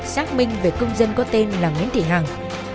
xác minh về công dân có tên là nguyễn thị hằng